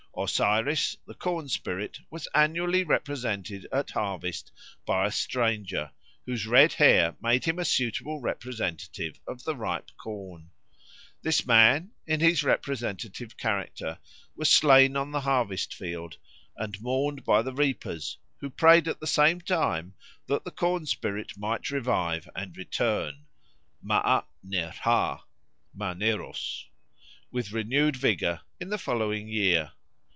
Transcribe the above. Osiris, the corn spirit, was annually represented at harvest by a stranger, whose red hair made him a suitable representative of the ripe corn. This man, in his representative character, was slain on the harvest field, and mourned by the reapers, who prayed at the same time that the corn spirit might revive and return (mââ ne rha, Maneros) with renewed vigour in the following year.